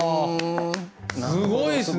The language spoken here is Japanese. すごいですね。